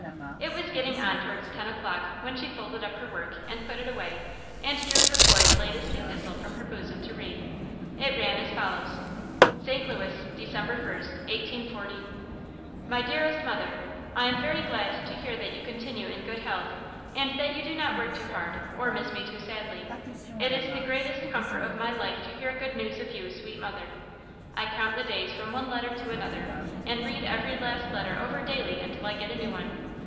It was getting on toward ten o'clock when she folded up her work and put it away and drew her boy's latest epistle from her bosom to read. It ran as follows: St. Louis, Dec. 1st, 184–. My dearest Mother–I am very glad to hear that you continue in good health, and that you do not work too hard, or miss me too sadly. It is the greatest comfort of my life to hear good news of you, sweet mother. I count the days from one letter to another, and read every last letter over daily until I get a new one.